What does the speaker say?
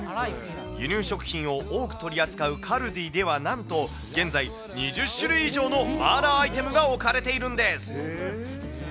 輸入食品を多く取り扱うカルディーではなんと現在、２０種類以上のマーラーアイテムが置かれているんです。